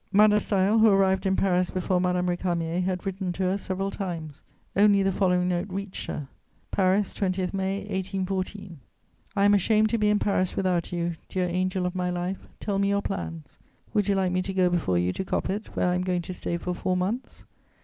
Madame de Staël, who arrived in Paris before Madame Récamier, had written to her several times; only the following note reached her: "PARIS, 20 May 1814. "I am ashamed to be in Paris without you, dear angel of my life: tell me your plans. Would you like me to go before you to Coppet, where I am going to stay for four months?